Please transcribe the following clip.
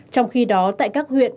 trong khi đó tại các huyện